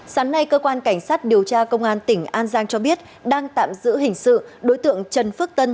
sáng nay cơ quan cảnh sát điều tra công an tỉnh an giang cho biết đang tạm giữ hình sự đối tượng trần phước tân